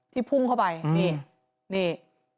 ที่พุ่งเข้าไปนี่